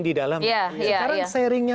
di dalam sekarang sharingnya